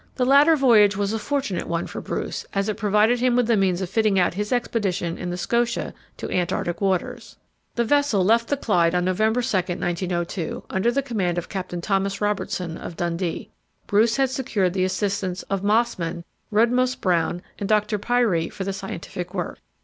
The latter voyage was a fortunate one for Bruce, as it provided him with the means of fitting out his expedition in the Scotia to Antarctic waters. The vessel left the Clyde on November 2,1902, under the command of Captain Thomas Robertson, of Dundee. Bruce had secured the assistance of Mossman, Rudmose Brown and Dr. Pirie for the scientific work.